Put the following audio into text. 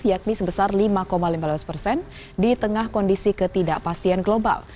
yakni sebesar lima lima belas persen di tengah kondisi ketidakpastian global